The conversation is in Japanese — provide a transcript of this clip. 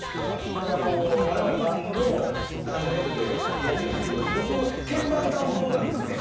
これは、我々もバンドで関ジャニ∞でやっているんですけど僕、鍵盤担当なんですね。